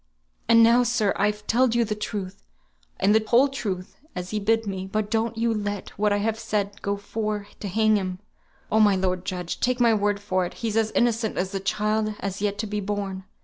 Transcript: "And now, sir, I've telled you the truth, and the whole truth, as he bid me; but don't ye let what I have said go for to hang him; oh, my lord judge, take my word for it, he's as innocent as the child as has yet to be born.